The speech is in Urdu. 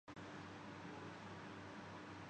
غیر دلچسپ اور اضافی معلوم ہوتے ہیں